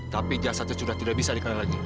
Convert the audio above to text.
tapi jasadnya sudah tidak bisa dikenal lagi